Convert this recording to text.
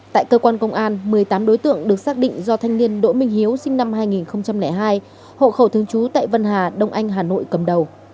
tại cơ quan công an một mươi tám đối tượng được xác định do thanh niên đỗ minh hiếu sinh năm hai nghìn hai hộ khẩu thương chú tại vân hà đông anh hà nội cầm đầu